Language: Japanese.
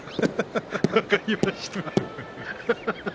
分かりました。